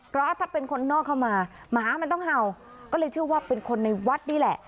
เพราะถ้าเป็นคนนอกเข้ามาหมามันต้องเห่าก็เลยเชื่อว่าเป็นคนในวัดนี่แหละ